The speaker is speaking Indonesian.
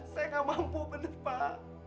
saya gak mampu bener pak